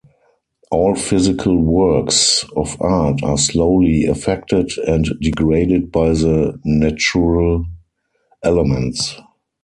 All physical works of art are slowly affected and degraded by the natural elements.